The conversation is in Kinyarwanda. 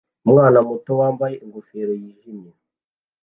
Umwana muto wambaye ingofero yijimye